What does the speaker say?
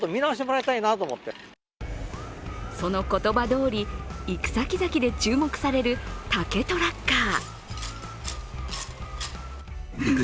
その言葉どおり、行く先々で注目される竹トラッカー。